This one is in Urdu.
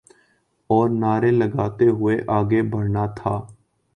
اورنعرے لگاتے ہوئے آگے بڑھنا تھا۔